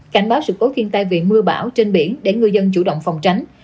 cảnh báo sự cố thiên tai vì mưa bão trên biển để người dân chủ động phòng tránh